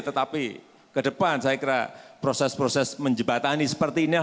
tetapi ke depan saya kira proses proses menjebatani seperti ini